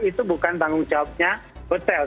itu bukan tanggung jawabnya hotel